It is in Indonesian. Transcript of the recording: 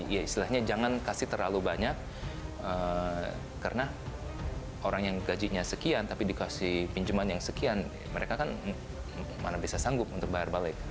ya istilahnya jangan kasih terlalu banyak karena orang yang gajinya sekian tapi dikasih pinjaman yang sekian mereka kan mana bisa sanggup untuk bayar balik